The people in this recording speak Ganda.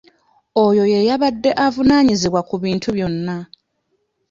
Oyo ye yabadde evunaanyizibwa ku bintu byonna.